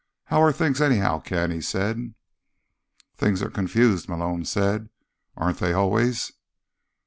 "How are things, anyhow, Ken?" he said. "Things are confused," Malone said. "Aren't they always?"